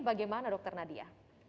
bagaimana dr nadia